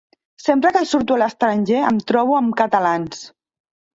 Sempre que surto a l'estranger em trobo amb catalans.